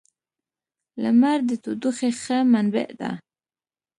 • لمر د تودوخې ښه منبع ده.